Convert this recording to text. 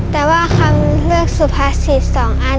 แต่ว่าคำเลือดสุพัสสิตสองอัน